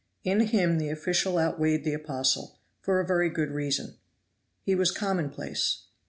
In him the official outweighed the apostle, for a very good reason he was commonplace.